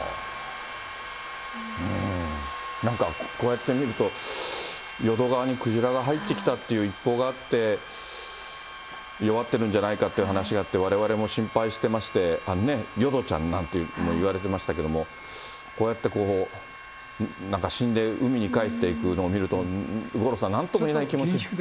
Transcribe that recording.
なんか、こうやって見ると、淀川にクジラが入ってきたっていう一報があって、弱ってるんじゃないかという話があって、われわれも心配してまして、淀ちゃんなんて言われてましたけども、こうやって、なんか死んで海に帰っていくのを見ると、五郎さん、なんともいえない気持ちに。